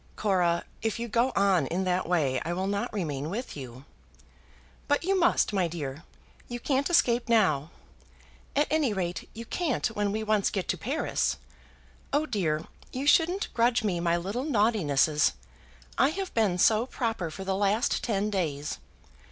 "Cora, if you go on in that way I will not remain with you." "But you must, my dear. You can't escape now. At any rate, you can't when we once get to Paris. Oh dear! you shouldn't grudge me my little naughtinesses. I have been so proper for the last ten days.